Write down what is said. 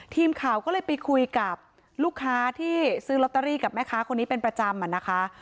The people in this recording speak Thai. ทีมข่าวก็เลยไปคุยกับลูกค้าที่ซื้อลอตเตอรี่กับแม่ค้าคนนี้เป็นประจำอะนะคะ